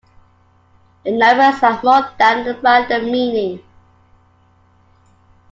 The numbers had more than a random meaning.